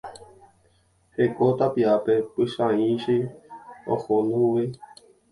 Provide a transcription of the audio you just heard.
Heko tapiápe Pychãichi oho ndouvéi.